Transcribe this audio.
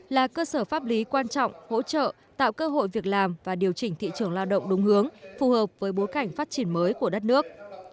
là cơ sở pháp lý quan trọng hỗ trợ tạo cơ hội việc làm và điều chỉnh thị trường lao động đúng hướng phù hợp với bối cảnh phát triển mới của đất nước